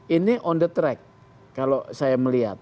ini on the track kalau saya melihat